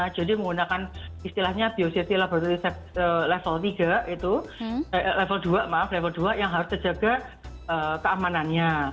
jadi menggunakan istilahnya biosefty laboratory level tiga itu level dua maaf level dua yang harus terjaga keamanannya